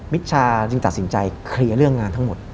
ชชาจึงตัดสินใจเคลียร์เรื่องงานทั้งหมด